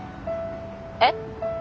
えっ？